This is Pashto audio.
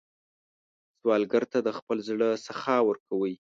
سوالګر ته د خپل زړه سخا ورکوئ